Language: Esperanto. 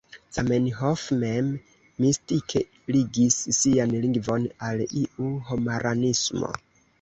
Zamenhof mem, mistike ligis sian lingvon al iu homaranismo.